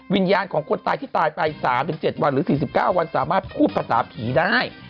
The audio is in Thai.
วิญญาณของคนตายที่ตายไป๓๗วันหรือ๔๙วันสามารถพูดภาษาผีได้